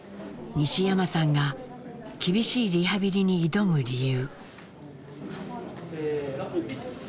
西山さんが厳しいリハビリに挑む理由。